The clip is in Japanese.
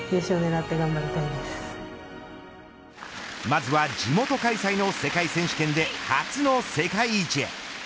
まずは地元開催の世界選手権で初の世界一へ。